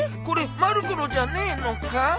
これまる子のじゃねえのか？